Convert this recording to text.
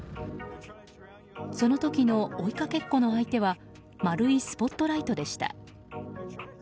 その時の追いかけっこの相手は丸いスポットライトでした。